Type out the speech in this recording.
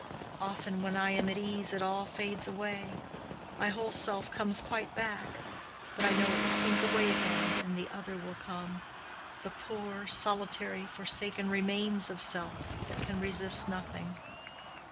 Often when I am at ease it all fades away; my whole self comes quite back; but I know it will sink away again, and the other will come—the poor, solitary, forsaken remains of self, that can resist nothing.